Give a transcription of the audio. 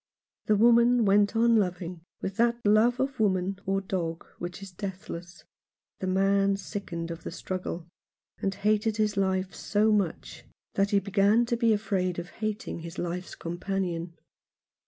The woman went on loving with that love of woman or dog which is deathless. The man sickened of the struggle, and hated his life so much that 48 Alone in London. he began to be afraid of hating his life's com panion.